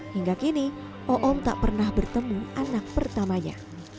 hingga kini oom tak pernah bertemu anak pertamanya